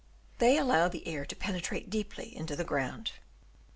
They allow the air to penetrate deeply into the ground.